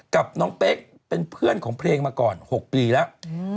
กับน้องเป๊กเป็นเพื่อนของเพลงมาก่อน๖ปีแล้ว